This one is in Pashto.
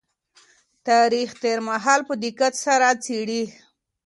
تاريخ تېر مهال په دقت سره څېړي.